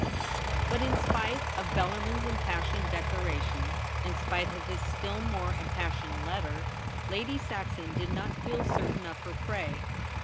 UT In spite of Bellarmin's impas sioned declaration — in spite of his still more impassioned letter, Lady Saxon did not feel certain of her prey.